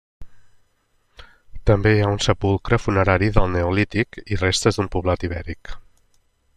També hi ha un sepulcre funerari del neolític i restes d'un poblat ibèric.